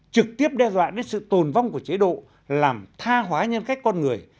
trực tiếp đe dọa đến sự tồn vong của chế độ làm tha hóa nhân cách con người